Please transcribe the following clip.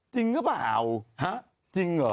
จริงหรือเปล่าจริงเหรอ